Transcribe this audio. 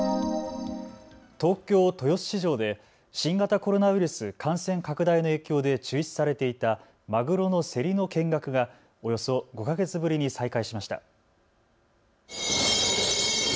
東京豊洲市場で新型コロナウイルス感染拡大の影響で中止されていたマグロの競りの見学がおよそ５か月ぶりに再開しました。